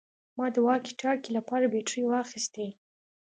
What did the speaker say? ما د واکي ټاکي لپاره بیټرۍ واخیستې